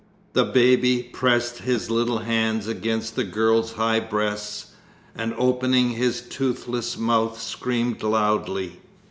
The baby pressed his little hands against the girl's high breasts, and opening his toothless mouth screamed loudly.